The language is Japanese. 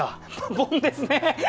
ボンですね。